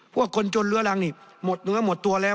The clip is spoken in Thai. คนจนเลื้อรังนี่หมดเนื้อหมดตัวแล้ว